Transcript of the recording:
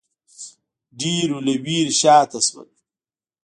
ډېرو له وېرې شا ته شول